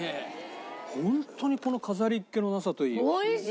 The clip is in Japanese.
ホントにこの飾りっ気のなさといい。